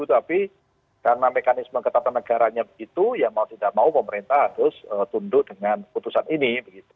tapi karena mekanisme ketatanegaranya begitu ya mau tidak mau pemerintah harus tunduk dengan putusan ini